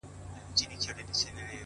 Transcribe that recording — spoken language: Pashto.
نن مي بيا پنـځه چيلمه ووهـل;